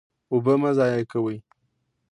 اوبه مه ضایع کوئ